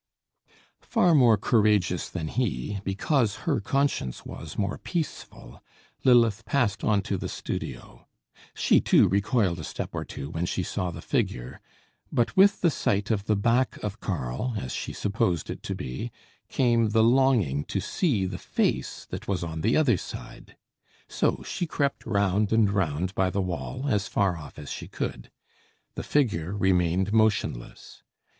Far more courageous than he, because her conscience was more peaceful, Lilith passed on to the studio. She too recoiled a step or two when she saw the figure; but with the sight of the back of Karl, as she supposed it to be, came the longing to see the face that was on the other side. So she crept round and round by the wall, as far off as she could. The figure remained motionless.